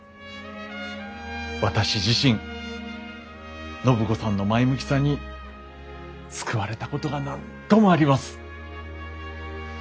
私自身暢子さんの前向きさに救われたことが何度もあります。